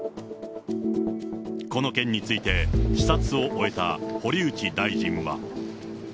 この件について、視察を終えた堀内大臣は。